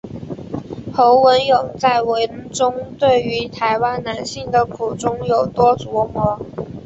侯文咏在文中对于台湾男性的苦衷有多琢磨。